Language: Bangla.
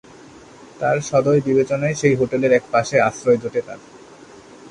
তাঁর সদয় বিবেচনায় সেই হোটেলের এক পাশে আশ্রয় জোটে তাঁর।